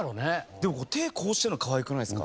でも手こうしてるのかわいくないですか？